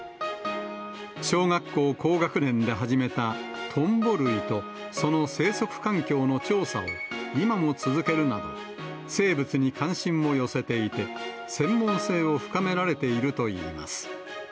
小学校高学年で始めたトンボ類とその生息環境の調査を今も続けるなど、生物に関心を寄せていて、専門性を深められているといいます。